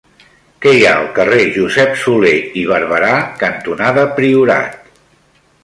Què hi ha al carrer Josep Solé i Barberà cantonada Priorat?